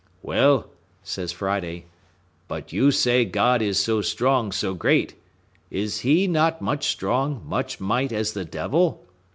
"Well," says Friday, "but you say God is so strong, so great; is He not much strong, much might as the devil?"